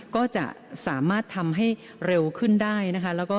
ก็จะสามารถทำให้เร็วขึ้นได้นะคะ